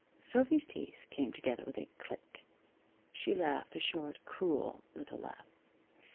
Sophy's teeth came together with a click. She laughed a short cruel little laugh.